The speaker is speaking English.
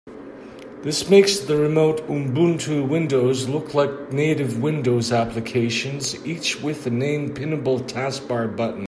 This makes the remote Ubuntu windows look like native Windows applications, each with a named pinnable taskbar button.